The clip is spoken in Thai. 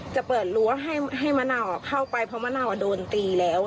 จะเปิดรั้วให้มะนาวเข้าไปเพราะมะนาวโดนตีแล้ว